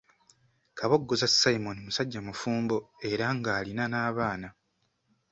Kabogoza Simon musajja mufumbo era nga alina n'abaana.